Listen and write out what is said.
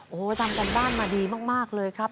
โอ้โหทำการบ้านมาดีมากเลยครับ